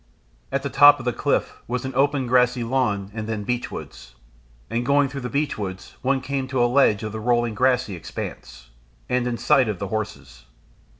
At the top of the cliff was an open grassy lawn and then beechwoods, and going through the beechwoods one came to the edge of the rolling grassy expanse, and in sight of the horses.